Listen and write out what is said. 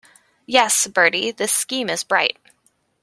Yes, Bertie, this scheme is bright.